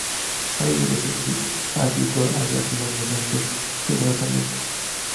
No hay evidencia de que su altitud haya sido medida rigurosamente.